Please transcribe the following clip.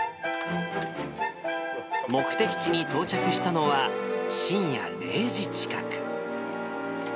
目的地に到着したのは、深夜０時近く。